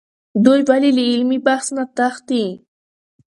دوی ولې له علمي بحث څخه تښتي؟